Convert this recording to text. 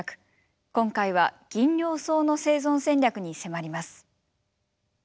今回はギンリョウソウの生存戦略に迫ります。